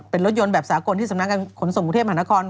เป็นรถยนต์แบบสากลที่สำนักการขนส่งกรุงเทพมหานคร